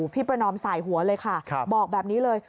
พี่ประนอมสายหัวเลยค่ะบอกแบบนี้เลย